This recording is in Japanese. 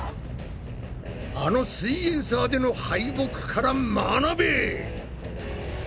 あの「すイエんサー」での敗北から学べ！